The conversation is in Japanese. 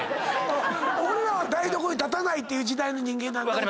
俺らは台所に立たないっていう時代の人間男は。